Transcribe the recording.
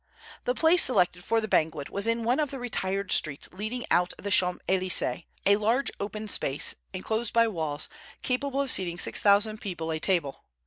The place selected for the banquet was in one of the retired streets leading out of the Champs Elysées, a large open space enclosed by walls capable of seating six thousand people at table.